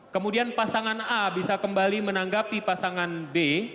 kemudian pasangan a bisa kembali menanggapi pasangan b